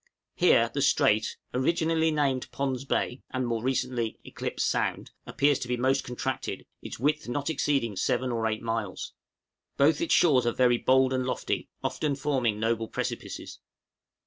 Here the strait originally named Pond's Bay, and more recently Eclipse Sound appears to be most contracted, its width not exceeding 7 or 8 miles. Both its shores are very bold and lofty, often forming noble precipices.